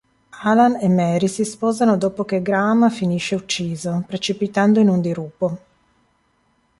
Alan e Mary si sposano dopo che Graham finisce ucciso, precipitando in un dirupo.